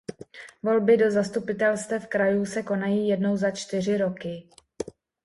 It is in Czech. Volby do zastupitelstev krajů se konají jednou za čtyři roky.